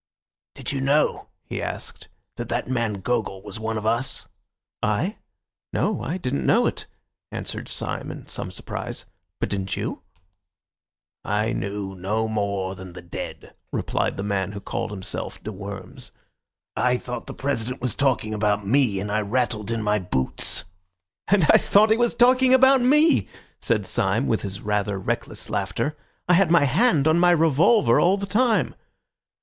"Did you know," he asked, "that that man Gogol was one of us?" "I? No, I didn't know it," answered Syme in some surprise. "But didn't you?" "I knew no more than the dead," replied the man who called himself de Worms. "I thought the President was talking about me, and I rattled in my boots." "And I thought he was talking about me," said Syme, with his rather reckless laughter. "I had my hand on my revolver all the time."